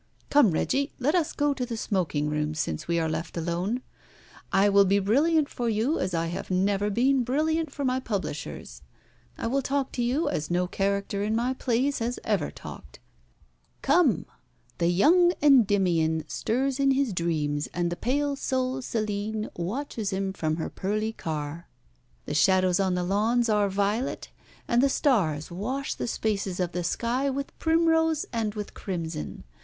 Come, Reggie, let us go to the smoking room, since we are left alone. I will be brilliant for you as I have never been brilliant for my publishers. I will talk to you as no character in my plays has ever talked. Come! The young Endymion stirs in his dreams, and the pale soul Selene watches him from her pearly car. The shadows on the lawns are violet, and the stars wash the spaces of the sky with primrose and with crimson.